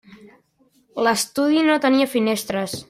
L'estudi no tenia finestres.